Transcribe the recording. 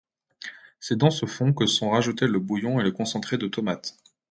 C'est dans ce fond que sont rajoutés le bouillon et le concentré de tomate.